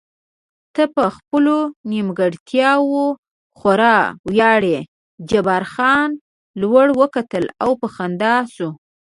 ته په خپلو نیمګړتیاوو خورا ویاړې، جبار خان لوړ وکتل او په خندا شو.